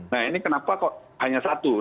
nah ini kenapa kok hanya satu